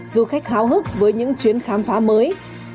du khách háo hức với những chuyến khám phá mới